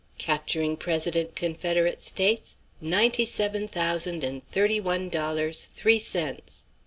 Capturing president Confederate States ninety seven thousand and thirty one dollars, three cents."